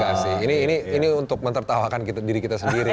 enggak sih ini untuk menertawakan diri kita sendiri